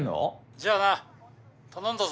じゃあな頼んだぞ。